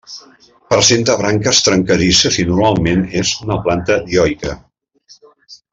Presenta branques trencadisses i normalment és una planta dioica.